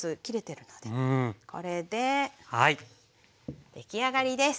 これで出来上がりです。